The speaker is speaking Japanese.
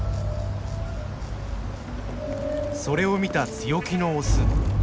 それを見た強気のオス。